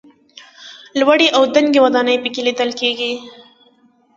لوړې او دنګې ودانۍ په کې لیدل کېږي.